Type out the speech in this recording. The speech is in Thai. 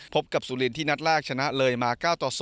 พบกับสุรินที่นัดแรกชนะเลยมา๙ต่อ๒